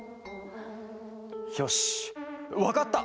よしわかった！